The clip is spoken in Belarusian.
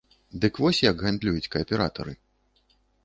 Дык вось як гандлююць кааператары.